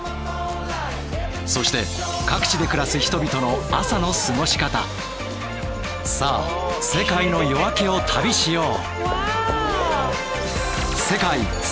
そして各地で暮らす人々のさあ世界の夜明けを旅しよう。